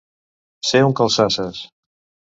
Ser un calçasses.